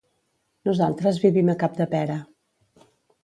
Nosaltres vivim a Capdepera.